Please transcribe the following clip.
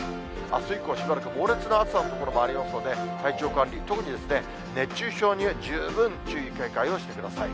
あす以降、しばらく猛烈な暑さの所もありますので、体調管理、特に熱中症には十分注意、警戒をしてください。